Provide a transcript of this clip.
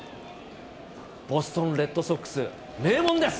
ボストンレッドソックス、名門です。